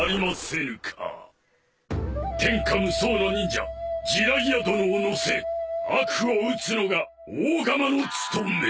天下無双の忍者児雷也殿を乗せ悪を討つのが大蝦蟇の務め。